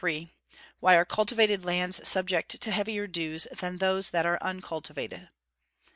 _Why are cultivated lands subject to heavier dews than those that are uncultivated?